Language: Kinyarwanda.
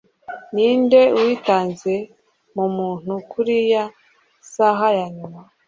ninde witanze mu muntu kuriyi saha yanyuma